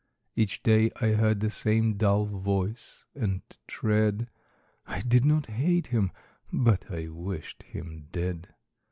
Each day I heard the same dull voice and tread; I did not hate him: but I wished him dead.